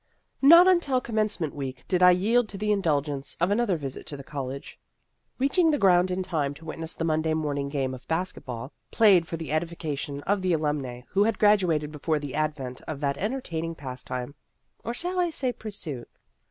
Not until Commencement week did I yield to the indulgence of another visit to the college. Reaching the ground in time to witness the Monday morning game of basket ball, played for the edification of the alumnae who had graduated before the advent of that entertaining pastime or shall I say pursuit?